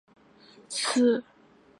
郑和亦尝裔敕往赐。